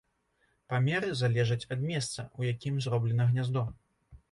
Памеры залежаць ад месца, у якім зроблена гняздо.